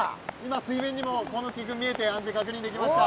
水面にも、幸之介君見えて安全確認できました。